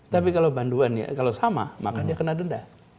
tapi kalau sama maka dia kena denda